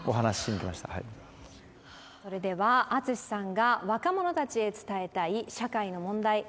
それではＡＴＳＵＳＨＩさんが若者たちへ伝えたい社会の問題